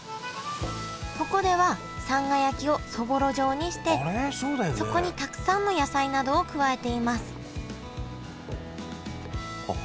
ここではさんが焼きをそぼろ状にしてそこにたくさんの野菜などを加えていますあっ